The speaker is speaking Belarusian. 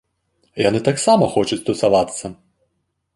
Яны таксама хочуць тусавацца!